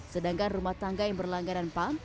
sedangkan rumah tangga yang berlangganan pump